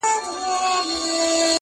ما چي هلمند ته ترانې لیکلې.!